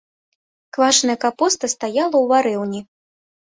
Квашаная капуста стаяла ў варыўні.